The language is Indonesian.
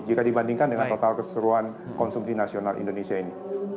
jika dibandingkan dengan total keseruan konsumsi nasional indonesia ini